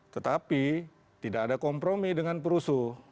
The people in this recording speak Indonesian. tetapi tidak ada kompromi dengan perusuh